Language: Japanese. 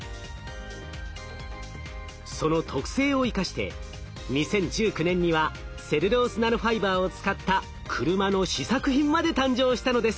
その特性を生かして２０１９年にはセルロースナノファイバーを使った車の試作品まで誕生したのです。